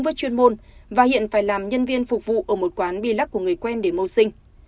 với chuyên môn và hiện phải làm nhân viên phục vụ ở một quán be lắc của người quen để mưu sinh